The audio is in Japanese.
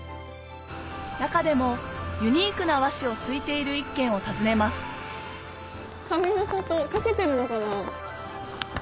中でもユニークな和紙を漉いている一軒を訪ねます「髪の里」かけてるのかな？